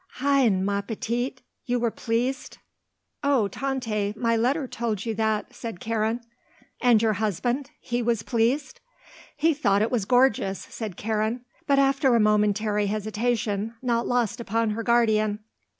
Hein, ma petite; you were pleased?" "Oh, Tante, my letter told you that," said Karen. "And your husband? He was pleased?" "He thought that it was gorgeous," said Karen, but after a momentary hesitation not lost upon her guardian.